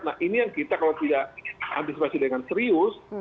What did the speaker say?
nah ini yang kita kalau tidak antisipasi dengan serius